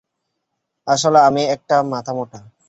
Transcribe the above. আসলে আমি একটা মাথামোটা!